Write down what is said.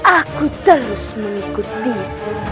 aku terus mengikuti dirimu